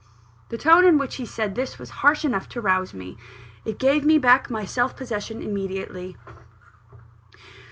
The tone in which he said this was harsh enough to rouse me. It gave me back my self possession immediately.